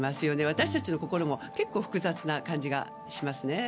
私たちの心も結構、複雑な感じがしますね。